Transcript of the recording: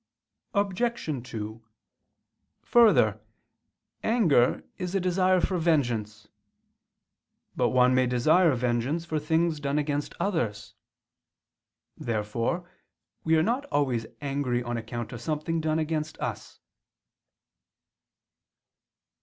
Obj. 2: Further, anger is a desire for vengeance. But one may desire vengeance for things done against others. Therefore we are not always angry on account of something done against us.